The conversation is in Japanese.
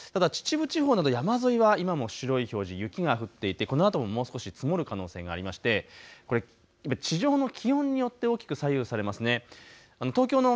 ただ秩父地方など山沿いは今も白い表示、雪が降っていてこのあとも少し積もる可能性がありまして、これで地上の気温によって大きく左右されますね。